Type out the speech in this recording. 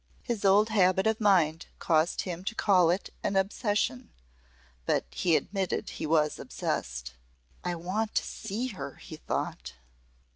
His old habit of mind caused him to call it an obsession, but he admitted he was obsessed. "I want to see her!" he thought.